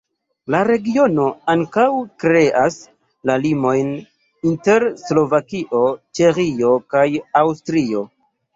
La regiono ankaŭ kreas la limojn inter Slovakio, Ĉeĥio kaj Aŭstrio.